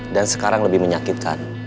dan sekarang lebih menyakitkan